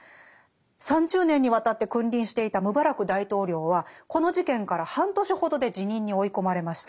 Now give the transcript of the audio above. ３０年にわたって君臨していたムバラク大統領はこの事件から半年ほどで辞任に追い込まれました。